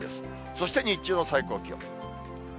そして日中の最高気温。